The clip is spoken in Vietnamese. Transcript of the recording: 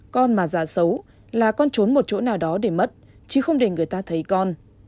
con mà già xấu là con trốn một chỗ nào đó để mất chứ không để người ta thấy con